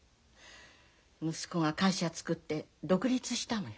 息子が会社作って独立したのよ。